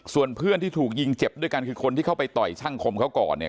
ส่วนเพื่อนที่ถูกยิงเจ็บด้วยกันคือคนที่เข้าไปต่อยช่างคมเขาก่อนเนี่ย